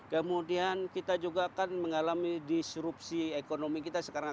kemudian kita juga kan mengalami disrupsi ekonomi kita sekarang